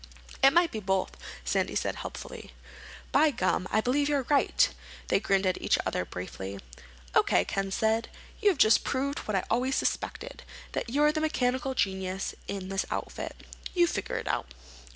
"It might be both," Sandy said helpfully. "By gum, I believe you're right." They grinned at each other briefly. "O.K.," Ken said then, "you have just proved what I always suspected—that you're the mechanical genius in this outfit. You figure it out."